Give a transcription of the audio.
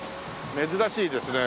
珍しいですね